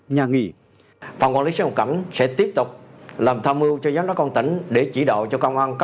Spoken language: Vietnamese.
nhà nghỉ phòng quản lý sông cẩm sẽ tiếp tục làm tham mưu cho giám đốc con tỉnh để chỉ đạo cho công an